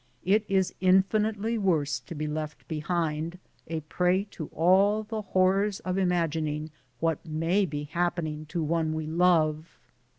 It is infinitely worse to be left behind, a prey to all the horrors of imagining what may be happening to one we love.